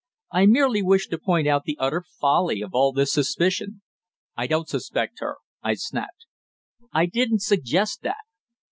"I merely wish to point out the utter folly of all this suspicion." "I don't suspect her," I snapped. "I didn't suggest that."